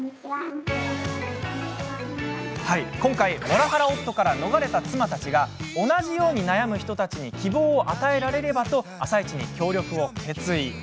今回、モラハラ夫から逃れた妻たちが同じように悩む人たちに希望を与えられればと「あさイチ」に協力を決意。